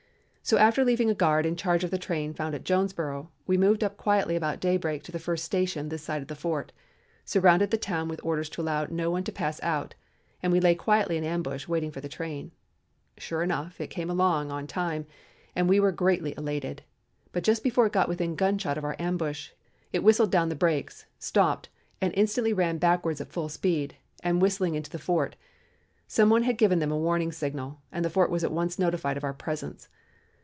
So after leaving a guard in charge of the train found at Jonesboro, we moved up quietly about day break to the first station this side of the fort, surrounded the town with orders to allow no one to pass out, and we lay quietly in ambush waiting for the train. Sure enough, it came along on time and we were greatly elated. But just before it got within gunshot of our ambush, it whistled down the brakes, stopped, and instantly ran backwards at full speed and whistling into the fort. Some one had given them a warning signal, and the fort was at once notified of our presence.